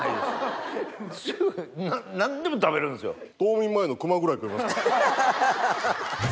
すぐ何でも食べるんですよ。